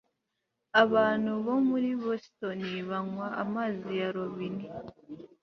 Abantu bo muri Boston banywa amazi ya robine